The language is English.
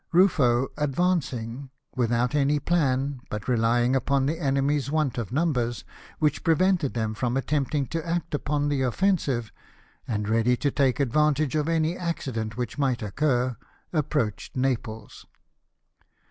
Ruffb advancing, without any plan, but relying upon the enemy's want of numbers, which prevented them from attempting to act upon the offensive, and ready to take advantage of any accident which might occur, approached Naples.